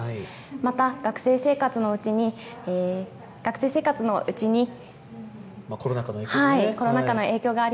また、学生生活のうちに、学生生コロナ禍の影響でね。